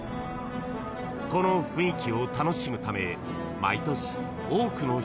［この雰囲気を楽しむため毎年多くの人が訪れます］